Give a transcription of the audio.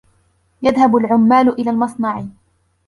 يَذْهَبُ الْعُمَّالُ إِلَى الْمَصْنَعِ.